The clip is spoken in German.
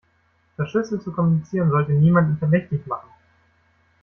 Verschlüsselt zu kommunizieren sollte niemanden verdächtig machen.